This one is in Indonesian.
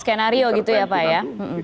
skenario gitu ya pak ya